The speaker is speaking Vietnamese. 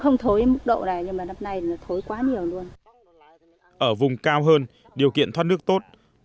ở vùng cao hơn điều kiện thoát nước tốt